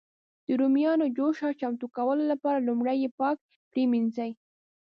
د رومیانو جوشه چمتو کولو لپاره لومړی یې پاک پرېمنځي.